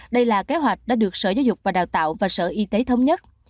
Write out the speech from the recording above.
đây là kế hoạch đã được sở giáo dục và đào tạo và sở y tế thống nhất